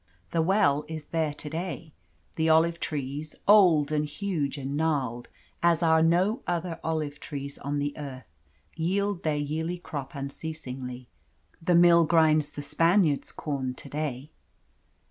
The well is there to day; the olive trees, old and huge and gnarled as are no other olive trees on the earth, yield their yearly crop unceasingly; the mill grinds the Spaniard's corn to day.